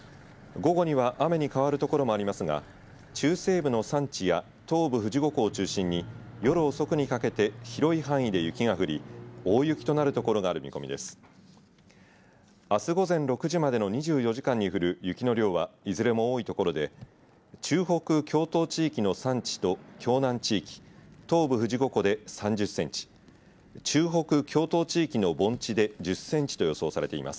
午後には雨に変わる所もありますが中・西部の山地や東部、富士五湖を中心に夜遅くにかけて広い範囲で雪が降り大雪となる所がある見込みです。